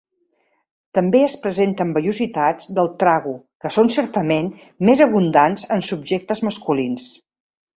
També es presenten vellositats del trago que són certament més abundants en subjectes masculins.